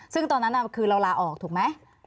ซึ่งตอนนั้นคือเราลาออกถูกไหม